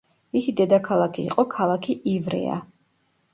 მისი დედაქალაქი იყო ქალაქი ივრეა.